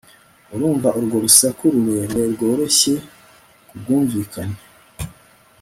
urumva urwo rusaku rurerure, rworoshye nkubwumvikane